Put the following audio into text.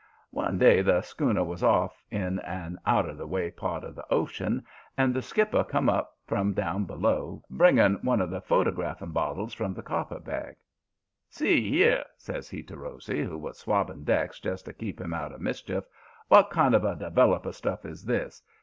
"One day the schooner was off in an out of the way part of the ocean, and the skipper come up from down below, bringing one of the photographing bottles from the carpetbag. "'See 'ere,' says he to Rosy, who was swabbing decks just to keep him out of mischief, 'w'at kind of a developer stuff is this?